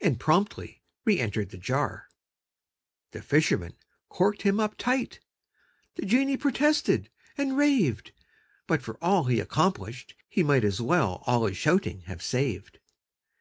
And promptly reëntered the jar. The fisherman corked him up tight: The genie protested and raved, But for all he accomplished, he might As well all his shouting have saved.